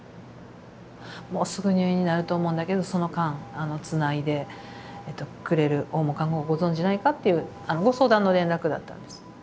もうすぐ入院になると思うんだけどその間つないでくれる訪問看護をご存じないかっていうご相談の連絡だったんです。